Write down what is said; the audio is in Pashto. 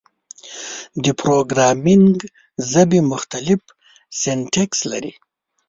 د پروګرامینګ ژبې مختلف سینټکس لري.